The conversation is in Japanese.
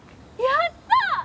やった！